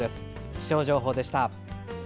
気象情報でした。